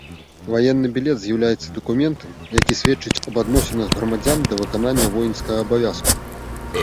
Ваенны білет з'яўляецца дакументам, які сведчыць аб адносінах грамадзян да выканання воінскага абавязку.